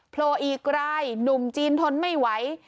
โผล่อีกรายหนุ่มจีนทนไม่ไหว